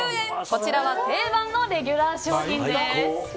こちらは定番のレギュラー商品です。